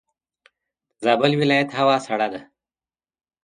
دزابل ولایت هوا سړه ده.